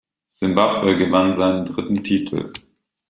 Simbabwe gewann seinen dritten Titel.